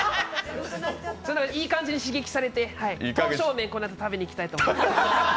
いい感じに刺激されて刀削麺、このあと食べに行きたいと思います。